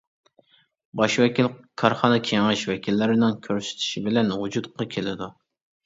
باش ۋەكىل كارخانا كېڭىشىش ۋەكىللىرىنىڭ كۆرسىتىشى بىلەن ۋۇجۇدقا كېلىدۇ.